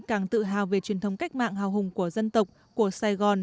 càng tự hào về truyền thống cách mạng hào hùng của dân tộc của sài gòn